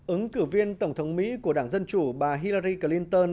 ứng cử viên tổng thống mỹ của đảng dân chủ bà hirary clinton